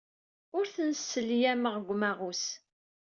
Ur ten-sselyameɣ deg umaɣus.